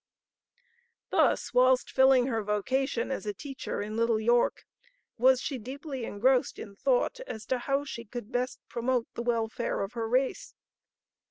Thus, whilst filling her vocation as a teacher in Little York, was she deeply engrossed in thought as to how she could best promote the welfare of her race.